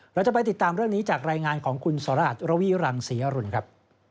เราจะไปติดตามเรื่องนี้จากรายงานของคุณสรัสระวีรังศรีอรุณครับ